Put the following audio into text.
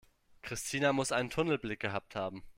Christina muss einen Tunnelblick gehabt haben.